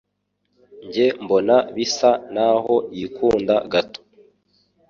Njye mbona bisa naho yikunda gato.